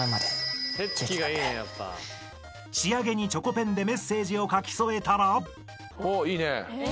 ［仕上げにチョコペンでメッセージを書き添えたら］